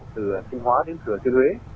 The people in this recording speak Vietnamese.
từ sinh hóa đến thừa thiên huế